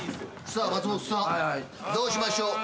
さあ松本さんどうしましょう？